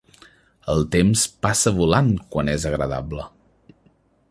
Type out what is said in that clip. El temps passa volant quan és agradable.